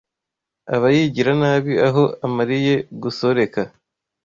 Aba yigira nabi Aho amaliye gusoreka